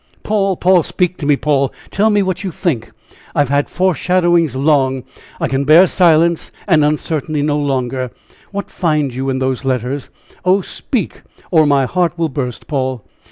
"Paul! Paul! speak to me, Paul. Tell me what you think. I have had foreshadowings long. I can bear silence and uncertainty no longer. What find you in those letters? Oh, speak, or my heart will burst, Paul."